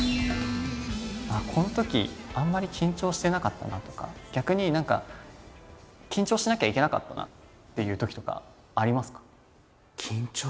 このときあんまり緊張してなかったなとか逆に何か緊張しなきゃいけなかったなっていうときとかありますか？